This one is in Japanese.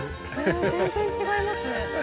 え全然違いますね。